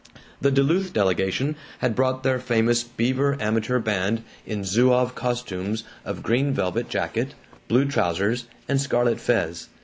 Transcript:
The Duluth delegation had brought their famous Beaver amateur band, in Zouave costumes of green velvet jacket, blue trousers, and scarlet fez.